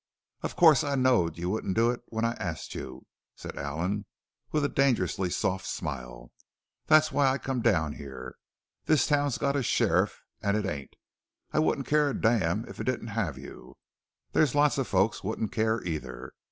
"Of course I knowed you wouldn't do it when I asked you," said Allen with a dangerously soft smile. "That's why I come down here. This town's got a sheriff an' it ain't. I wouldn't care a damn if it didn't have you. There's lots of folks wouldn't care either.